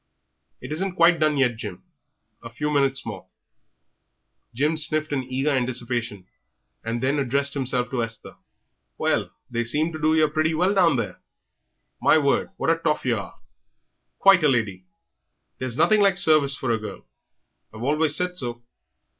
"It isn't quite done yet, Jim; a few minutes more " Jim sniffed in eager anticipation, and then addressed himself to Esther. "Well, they seem to do yer pretty well down there. My word, what a toff yer are! Quite a lady.... There's nothing like service for a girl; I've always said so.